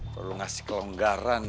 terlalu ngasih kelonggaran